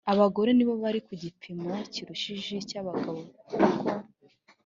abagore nibo bari ku gipimo kirushije icy abagabo kuko